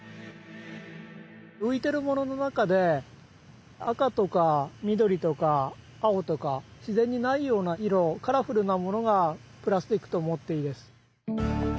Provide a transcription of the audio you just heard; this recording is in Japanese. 浮いてるものの中で赤とか緑とか青とか自然にないような色カラフルなものがプラスチックと思っていいです。